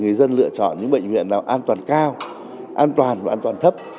người dân lựa chọn những bệnh viện nào an toàn cao an toàn và an toàn thấp